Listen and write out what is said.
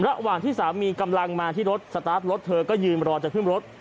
ระหว่างที่สามีกำลังมาที่รถสตาร์ทรถเธอก็ยืนรอจะขึ้นรถ